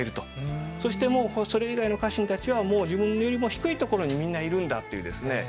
そしてもうそれ以外の家臣たちはもう自分よりも低い所にみんないるんだっていうですね